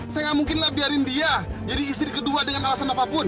saya nggak mungkinlah biarin dia jadi istri kedua dengan alasan apapun